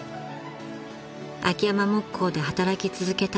［秋山木工で働き続けたい］